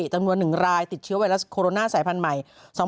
จำนวน๑รายติดเชื้อไวรัสโคโรนาสายพันธุ์ใหม่